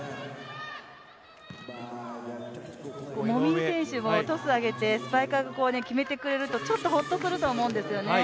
籾井選手もトスを上げて、スパイカーが決めてくれるとちょっとホッとすると思うんですよね。